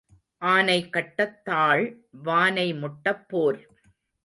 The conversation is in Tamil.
ஆனை கட்டத் தாள் வானை முட்டப் போர்.